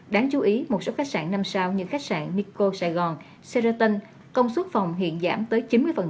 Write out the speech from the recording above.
đáng chú ý một số khách sạn năm sao như khách sạn nico saigon sheraton công suất phòng hiện giảm tới chín mươi